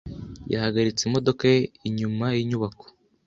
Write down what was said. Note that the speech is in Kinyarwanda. Yahagaritse imodoka ye inyuma yinyubako.